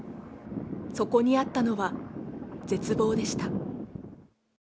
そこにあったのは、絶望でした。